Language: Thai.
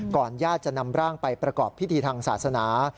ญาติจะนำร่างไปประกอบพิธีทางศาสนา